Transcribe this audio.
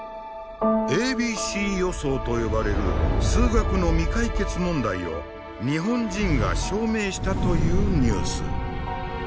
「ａｂｃ予想」と呼ばれる数学の未解決問題を日本人が証明したというニュース。